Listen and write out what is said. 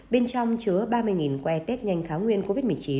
bên trong chứa ba mươi que test nhanh kháng nguyên covid một mươi chín